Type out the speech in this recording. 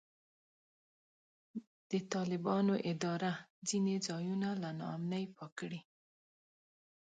د طالبانو اداره ځینې ځایونه له نا امنۍ پاک کړي.